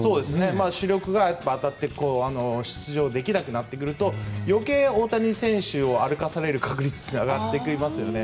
主力が出場できなくなってくると余計、大谷選手が歩かされる確率が上がりますよね。